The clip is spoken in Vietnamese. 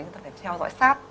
chúng ta phải theo dõi sát